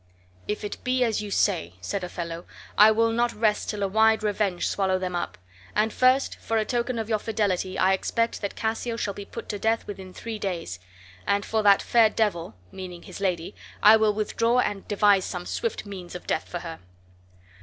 "If it be as you say," said Othello, "I will not rest till a wide revenge swallow them up; and first, for a token of your fidelity, I expect that Cassio shall be put to death within three days; and for that fair devil [meaning his lady] I will withdraw and devise some swift means of death for her."